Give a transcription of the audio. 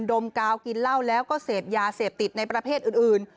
ดมกาวกินเหล้าแล้วก็เสพยาเสพติดในประเภทอื่น